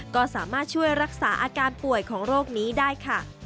ก็สามารถช่วยรักษาอาการป่วยของโรคนี้ได้ค่ะ